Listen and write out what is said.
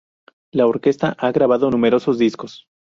La orquesta ha grabado numerosos discos.